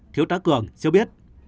thiếu tá cường cho biết